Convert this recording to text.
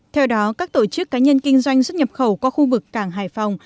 theo đó các tổ chức cá nhân kinh doanh xuất nhập khẩu qua khu vực cảng hải phòng